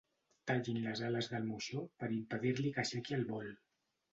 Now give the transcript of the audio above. Tallin les ales del moixó per impedir-li que aixequi el vol.